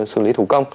xử lý thủ công